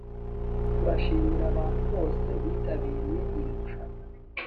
Turashimira abantu bose bitabiriye iri rushanwa